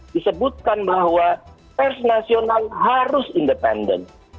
disebutkan bahwa pers nasional harus independen